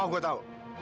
oh gue tahu